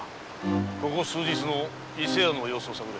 ここ数日の伊勢屋の様子を探れ。